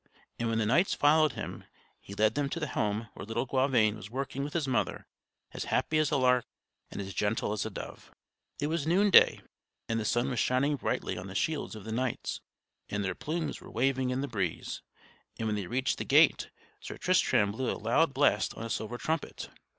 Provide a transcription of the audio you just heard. And when the knights followed him, he led them to the home where little Gauvain was working with his mother, as happy as a lark and as gentle as a dove. It was noonday, and the sun was shining brightly on the shields of the knights, and their plumes were waving in the breeze; and when they reached the gate, Sir Tristram blew a loud blast on a silver trumpet.